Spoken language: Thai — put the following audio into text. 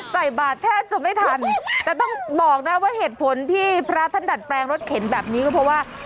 ใส่บาทแทบจะไม่ทันแต่ต้องบอกนะว่าเหตุผลที่พระท่านดัดแปลงรถเข็นแบบนี้ก็เพราะว่า